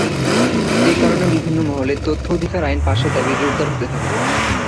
এ কারণে বিভিন্ন মহলে তথ্য অধিকার আইন পাশের দাবি জোরদার হতে থাকে।